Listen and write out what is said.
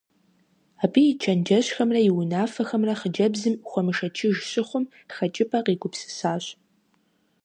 Абы и чэнджэщхэмрэ и унафэхэмрэ хъыджэбзым хуэмышэчыж щыхъум, хэкӀыпӀэ къигупсысащ.